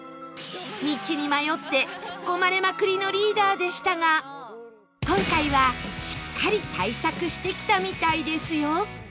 道に迷ってツッコまれまくりのリーダーでしたが今回はしっかり対策してきたみたいですよ